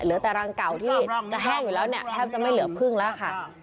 เหลือแต่รังเก่าที่จะแห้งอยู่แล้วเนี่ยแทบจะไม่เหลือพึ่งแล้วค่ะ